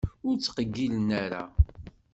Ur ttqeyyilen ara.